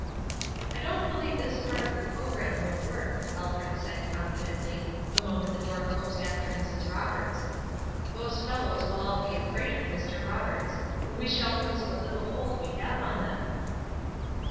"I don't believe this part of the programme will work," Alfred said, confidently, the moment the door closed after Mrs. Roberts. "Those fellows will all be afraid of Mr. Roberts, and we shall lose what little hold we have on them."